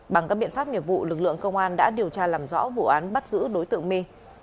bằng các biện pháp nghiệp vụ lực lượng công an đã điều tra làm rõ vụ án bắt giữ đối tượng my